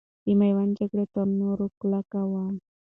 د میوند جګړه تر نورو کلکو وه.